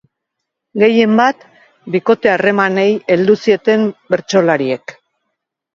Gehienbat, bikote-harremanei heldu zieten bertsolariek.